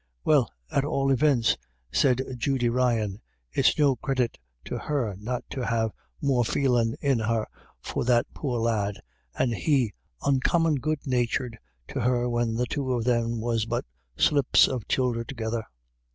" Well, at all ivints," said Judy Ryan, " it's no credit to her not to have more feelin' in her for that poor lad, and he oncommon good natured to ONE TOO MANY. 75 her when the two of them was but slips of childer together.